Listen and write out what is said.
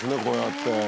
こうやって。